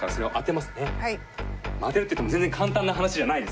当てるっていっても全然簡単な話じゃないですから。